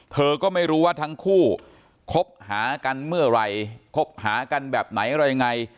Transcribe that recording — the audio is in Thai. เธอก็ไม่รู้ว่าทั้งคู่คบหากันเมื่อไหร่คบหากันแบบไหนอะไรยังไง